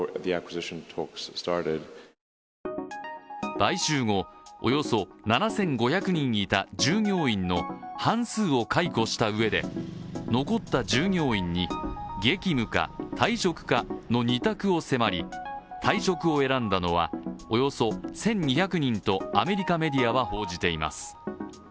買収後、およそ７５００人いた従業員の半数を解雇したうえで残った従業員に「激務か退職か」の２択を迫り、退職を選んだのはおよそ１２００人とアメリカメディアは報じています。